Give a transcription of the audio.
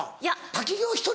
滝行１人？